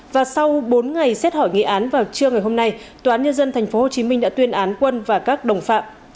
và sau bốn ngày xét hỏi nghị án vào trưa ngày hôm nay tòa án nhân dân tp hcm đã tuyên án quân và các đồng phạm